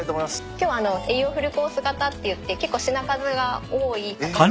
今日は栄養フルコース型っていって結構品数が多い形に。